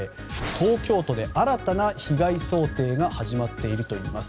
東京都で新たな被害想定が始まっているといいます。